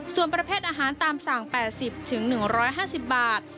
ส่วนประเภทอาหารตามสั่ง๘๐๑๕๐บาท